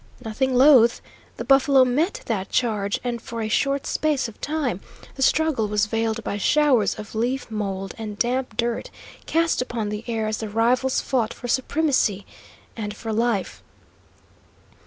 Nothing loath, the buffalo met that charge, and for a short space of time the struggle was veiled by showers of leaf mould and damp dirt cast upon the air as the rivals fought for supremacy and for life.